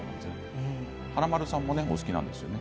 華丸さんもお好きなんですよね。